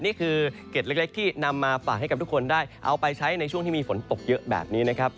นี่คือเกร็ดเล็กที่นำมาฝากให้กับทุกคนได้เอาไปใช้ในช่วงที่มีฝนตกเยอะแบบนี้นะครับ